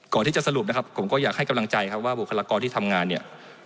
ก่อนที่จะสรุปนะครับผมก็อยากให้กำลังใจครับว่าบุคลากรที่ทำงานเนี่ย